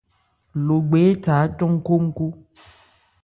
Logbe étha ácɔn nkhónkhó.